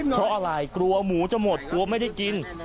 เพราะอะไรกลัวหมูจะหมดกลัวไม่ได้กิน